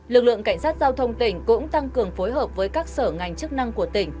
lực lượng cảnh sát giao thông tỉnh cũng tăng cường phối hợp với các sở ngành chức năng của tỉnh